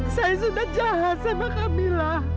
saya sudah jahat sama kamilah